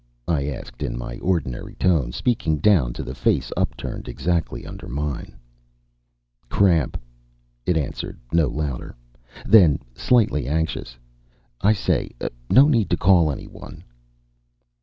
I asked in my ordinary tone, speaking down to the face upturned exactly under mine. "Cramp," it answered, no louder. Then slightly anxious, "I say, no need to call anyone."